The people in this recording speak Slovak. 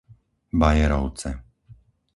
Bajerovce